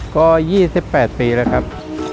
ก็๒๘ปีแล้วครับ